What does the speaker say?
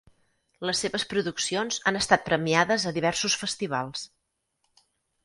Les seves produccions han estat premiades a diversos festivals.